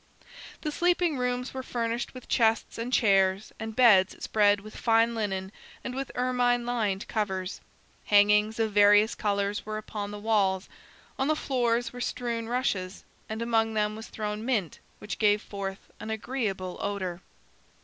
The sleeping rooms were furnished with chests, and chairs, and beds spread with fine linen and with ermine lined covers. Hangings of various colors were upon the walls. On the floors were strewn rushes, and among them was thrown mint which gave forth an agreeable odor.